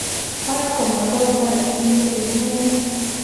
آیا کاناډا دوه رسمي ژبې نلري؟